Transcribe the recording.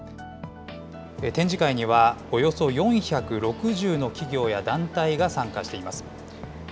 展示会には、およそ４６０の企業や団体が参加しています。